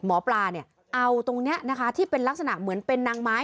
หมอปลาเนี่ยเอาตรงนี้นะคะที่เป็นลักษณะเหมือนเป็นนางไม้